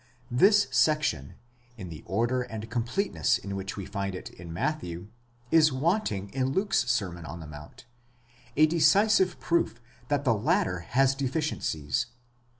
This section, in the order and completeness in which we find it in Matthew, is wanting in Luke's Sermon on the Mount ; a decisive proof that the latter has deficiencies.